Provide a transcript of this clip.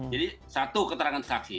jadi satu keterangan saksi